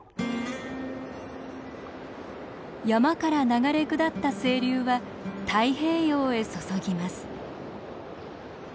山から流れ下った清流は太平洋へ注ぎます。